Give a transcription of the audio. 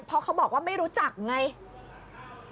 เพราะเขาบอกว่าไม่รู้จักไง